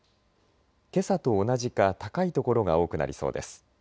けさと同じか高い所が多くなりそうです。